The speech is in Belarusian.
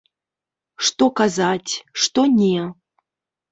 Што казаць, што не?